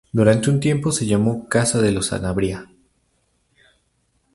Durante un tiempo se llamó Casa de los Sanabria.